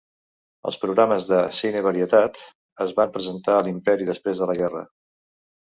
Els programes de "cine-varietat" es van presentar a l'Imperi després de la guerra.